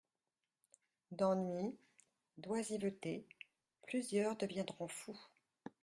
D'ennui, d'oisiveté, plusieurs deviendront fous.